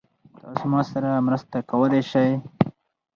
تاسو ما سره مرسته کولی شئ؟